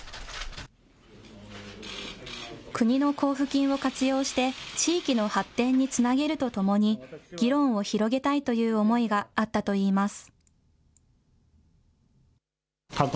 国の交付金を活用して、地域の発展につなげるとともに、議論を広げたいという思いがあったといいます。